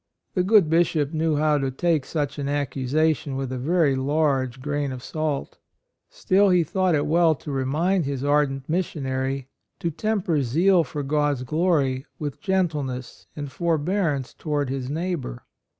The good Bishop knew how to take such an accusation with a very 76 A ROYAL SON large grain of salt; still he thought it well to remind his ardent missionary to temper zeal for God's glory with gentle ness and forbearance toward his neighbor.